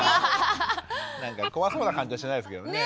なんか怖そうな感じはしないですけどね。